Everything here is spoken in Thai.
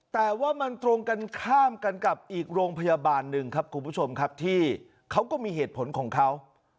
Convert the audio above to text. แต่ว่ามันตรงกันข้ามกันกับอีกโรงพยาบาลหนึ่งครับคุณผู้ชมครับที่เขาก็มีเหตุผลของเขา